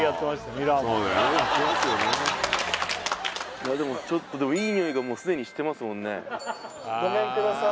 いやでもちょっとでもいい匂いがすでにしてますもんねごめんください